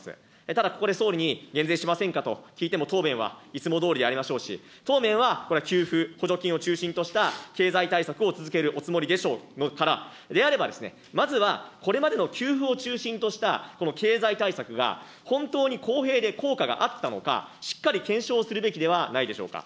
ただここで総理に減税しませんかと聞いても答弁はいつもどおりでありましょうし、当面は給付、これは経済対策を続けるおつもりでしょうから、であれば、まずはこれまでの給付を中心とした、この経済対策が、本当に公平で効果があったのか、しっかり検証するべきではないでしょうか。